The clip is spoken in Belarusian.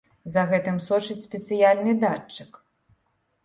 За гэтым сочыць спецыяльны датчык.